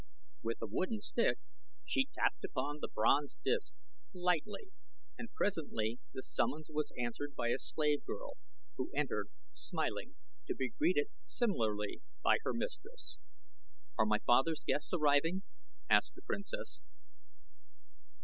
With a wooden stick she tapped upon the bronze disc, lightly, and presently the summons was answered by a slave girl, who entered, smiling, to be greeted similarly by her mistress. "Are my father's guests arriving?" asked the princess.